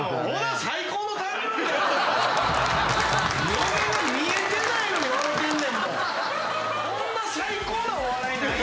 嫁が見えてないのに笑うてんねんもん。